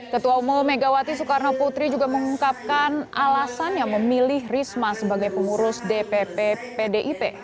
ketua umum megawati soekarno putri juga mengungkapkan alasannya memilih risma sebagai pengurus dpp pdip